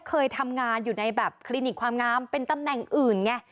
เคยทำงานอยู่ในแบบคลินิกความงามเป็นตำแหน่งอื่นไง